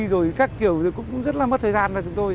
rồi các kiểu cũng rất là mất thời gian là chúng tôi